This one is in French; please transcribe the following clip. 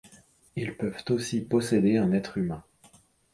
Ils peuvent aussi posséder un être humain.